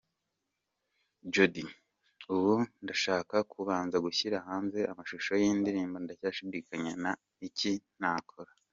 Jody : Ubu ndashaka kubanza gushyira hanze amashusho y’indirimbo “Ndacyashidikanya na “Ni Iki Ntakora”.